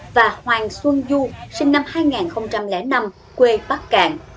và hoàng xuân du sinh năm hai nghìn năm quê bắc cạn